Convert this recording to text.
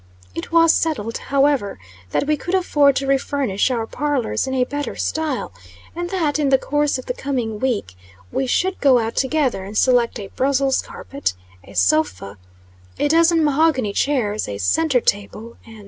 It was settled, however, that we could afford to re furnish our parlors in a better style, and that in the course of the coming week, we should go out together and select a Brussels carpet, a sofa, a dozen mahogany chairs, a centre table, &c.